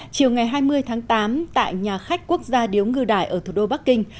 chiều ngày hai mươi tháng tám tại nhà khách quốc gia điếu ngư đại ở thủ đô bắc kinh